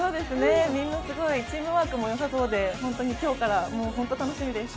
みんなすごいチームワークもよさそうで、本当に今日から楽しみです。